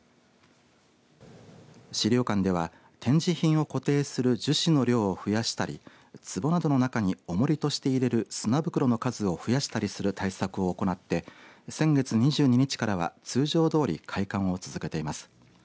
資料館には、展示品を固定する樹脂の量を増やしたりつぼなどの中に重りとして入れる砂袋の数を増やしたりする対策を行って先月２２日からは通常どおり開館を続けています。